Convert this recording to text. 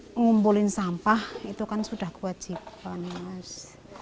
ngumpulin sampah itu kan sudah kewajiban mas